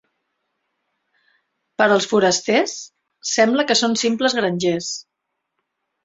Per als forasters, sembla que són simples grangers.